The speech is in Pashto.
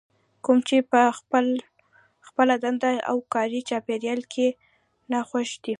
کوم چې په خپله دنده او کاري چاپېريال کې ناخوښ دي.